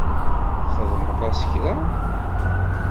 Txedmeḍ-as kra?